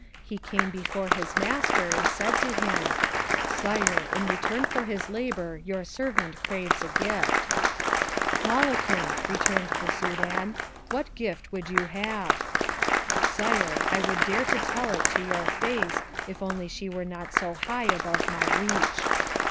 He came before his master, and said to him, "Sire, in return for his labour your servant craves a gift." "Malakin," returned the Soudan, "what gift would you have?" "Sire, I would dare to tell it to your face, if only she were not so high above my reach."